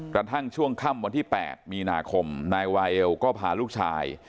กระทั่งช่วงค่ำวันที่๘มีนาคมนายวายเอลก็พาลูกชาย